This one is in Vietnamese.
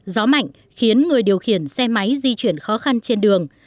gió mạnh khiến người điều khiển xe máy di chuyển khó khăn trên đường